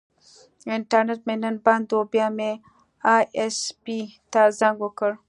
انټرنیټ مې نن بند و، بیا مې ائ ایس پي ته زنګ وکړ.